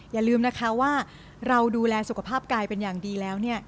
อย่าลืมนะคะว่าเราดูแลสุขภาพกายเป็นอย่างดีแล้วเนี่ย